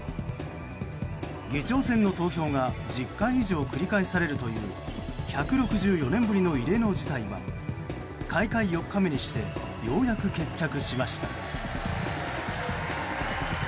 議長選の投票が１０回以上繰り返されるという１６４年ぶりの異例の事態は開会４日目にしてようやく決着しました。